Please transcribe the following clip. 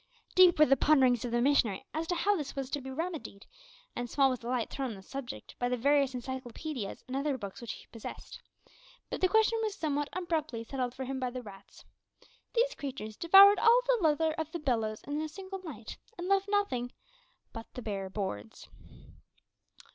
Deep were the ponderings of the missionary as to how this was to be remedied, and small was the light thrown on the subject by the various encyclopaedias and other books which he possessed; but the question was somewhat abruptly settled for him by the rats. These creatures devoured all the leather of the bellows in a single night, and left nothing but the bare boards!